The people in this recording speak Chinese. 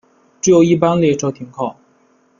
只有一般列车停靠。